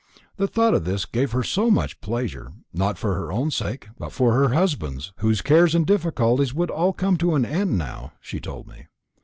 The thought of this gave her so much pleasure not for her own sake, but for her husband's, whose cares and difficulties would all come to an end now, she told me.